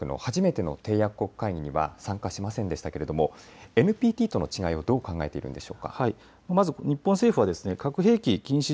日本政府は６月に開かれた核兵器禁止条約の初めての締約国会議には参加しませんでしたけれどＮＰＴとの違いをどう考えているんでしょうか。